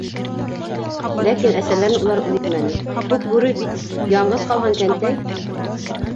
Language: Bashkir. Ләкин әсәләрен улар үҙ итмәне: Күкбүре бит яңғыҙ ҡалған кәнтәй.